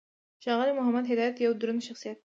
ښاغلی محمد هدایت یو دروند شخصیت دی.